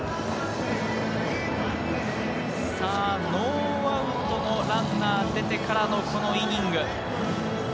ノーアウトのランナー出てからのこのイニング。